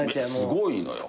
すごいのよ。